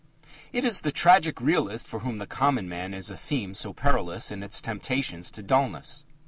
It is the tragic realists for whom the common man is a theme so perilous in its temptations to dullness.